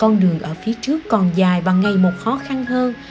con đường ở phía trước còn dài bằng ngày một khó khăn hơn